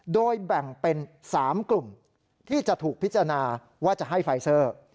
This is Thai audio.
โดยแบ่งเป็น๓กลุ่มที่จะถูกพิจารณาว่าจะให้ไฟเซอร์